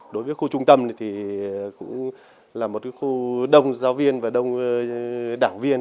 đối với khu trung tâm thì cũng là một khu đông giáo viên và đông đảng viên